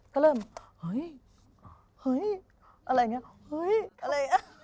ก็เริ่มเฮ้ยเฮ้ยอะไรอย่างนี้เฮ้ย